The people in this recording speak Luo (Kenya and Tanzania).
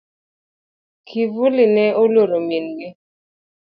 Kivuli ne oluoro min gi.